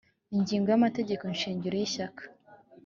Ingingo ya amategeko shingiro y ishyaka